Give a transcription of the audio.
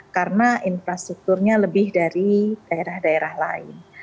karena infrastrukturnya lebih dari daerah daerah lain